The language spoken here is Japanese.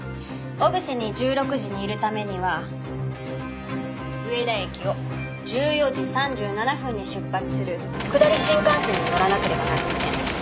小布施に１６時にいるためには上田駅を１４時３７分に出発する下り新幹線に乗らなければなりません。